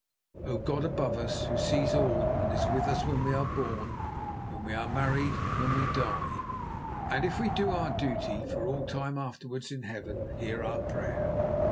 "O God above us, Who sees all and is with us when we are born, when we are married, when we die, and if we do our duty for all time afterwards in Heaven, hear our prayer.